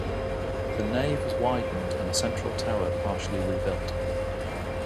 The nave was widened and the central tower partially rebuilt.